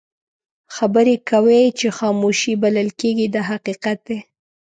خبرې کوي چې خاموشي بلل کېږي دا حقیقت دی.